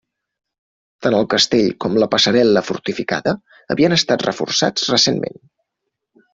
Tant el castell com la passarel·la fortificada havien estat reforçats recentment.